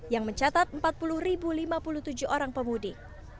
yang mencatat empat puluh lima puluh tujuh orang pemudik